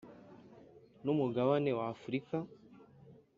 n'umugabane wa afurika.